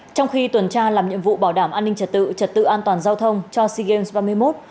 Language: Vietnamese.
trong khi tuần tra làm nhiệm vụ bảo đảm an ninh trật tự trật tự an toàn giao thông cho sea games ba mươi một